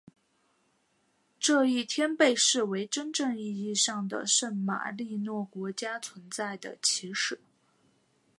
这一天被视为真正意义上的圣马力诺国家存在的起始。